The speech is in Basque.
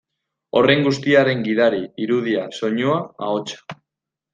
Horren guztiaren gidari, irudia, soinua, ahotsa.